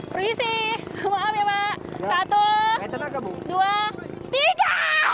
perisi maaf ya pak satu dua tiga